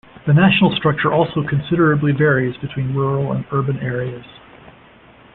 The national structure also considerably varies between rural and urban areas.